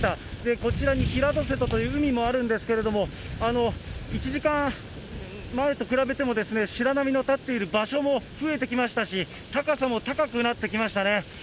こちらに平戸瀬という海もあるんですけれども、１時間前と比べても白波の立っている場所も増えてきましたし、高さも高くなってきましたね。